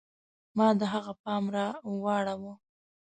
ما د هغه پام را واړوه.